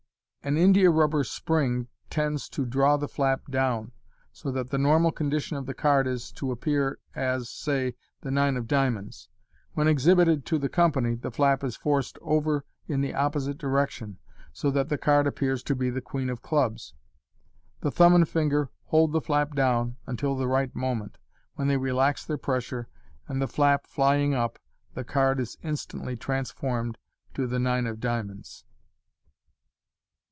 An indiarubber spring tends to draw the flap down, so that the normal condition of the card is to appear as, say, the nine of diamonds. When exhibited to the company, the flap is forced over in the opposite direction, so that the card appears to be the queen of clubs. The thumb and finger hold the flap down until the right moment, when they relax their pressure, and the flap flying up, the card is instantly transformed to the nine of diamonds.